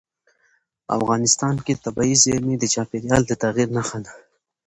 افغانستان کې طبیعي زیرمې د چاپېریال د تغیر نښه ده.